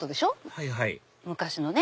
はいはい昔のね。